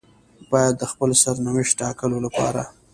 بايد د خپل سرنوشت ټاکلو لپاره.